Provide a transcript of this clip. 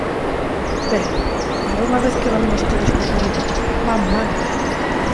Pero, para unha vez que van vostedes por libre, van mal.